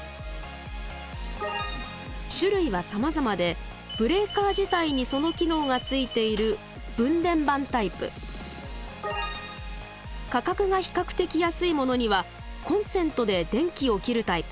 種類はさまざまでブレーカー自体にその機能がついている価格が比較的安いものにはコンセントで電気を切るタイプ。